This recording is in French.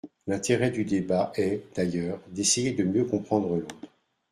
L’intérêt du débat est, d’ailleurs, d’essayer de mieux comprendre l’autre.